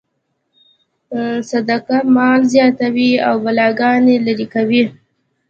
صدقه مال زیاتوي او بلاګانې لرې کوي.